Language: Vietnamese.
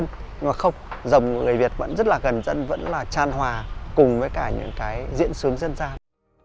nhưng mà không rồng người việt vẫn rất là gần dân vẫn là tràn hòa cùng với cả những cái diễn xướng dân gian